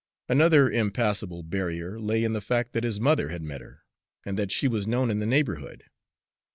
Another impassable barrier lay in the fact that his mother had met her, and that she was known in the neighborhood.